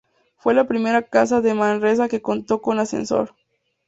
Fue la primera casa de Manresa que contó con ascensor.